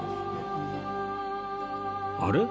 あれ？